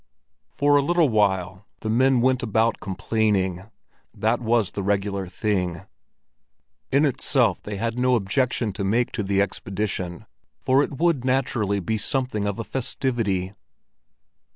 For a little while the men went about complaining; that was the regular thing. In itself they had no objection to make to the expedition, for it would naturally be something of a festivity.